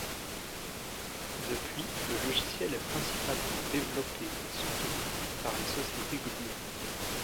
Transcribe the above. Depuis, le logiciel est principalement développé et soutenu par la société Gluon.